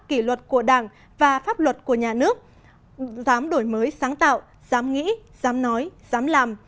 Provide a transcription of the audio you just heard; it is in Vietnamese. kỷ luật của đảng và pháp luật của nhà nước dám đổi mới sáng tạo dám nghĩ dám nói dám làm